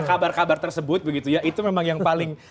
kabar kabar tersebut itu memang yang